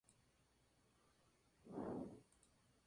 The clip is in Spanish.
Si es el último, no deberías estar allí en primer lugar".